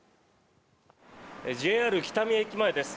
ＪＲ北見駅前です。